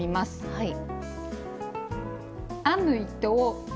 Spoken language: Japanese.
はい。